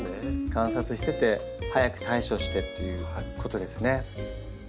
観察してて早く対処してっていうことですね。